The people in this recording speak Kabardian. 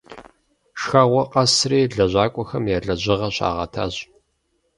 Шхэгъуэр къэсри лэжьакӀуэхэм я лэжьыгъэр щагъэтащ.